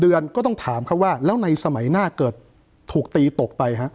เดือนก็ต้องถามเขาว่าแล้วในสมัยหน้าเกิดถูกตีตกไปฮะ